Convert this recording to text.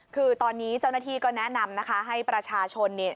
คือตอนนี้เจ้าหน้าที่ก็แนะนำนะคะให้ประชาชนเนี่ย